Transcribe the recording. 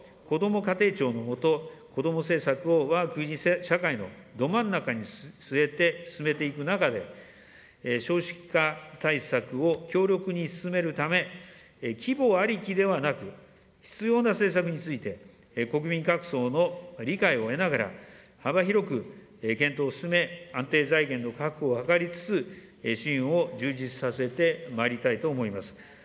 今後、こども家庭庁の下、子ども政策をわが国社会のど真ん中に据えて、進めていく中で、少子化対策を強力に進めるため、規模ありきではなく、必要な政策について、国民各層の理解を得ながら、幅広く検討を進め、安定財源の確保を図りつつ、支援を充実させてまいりたいと思います。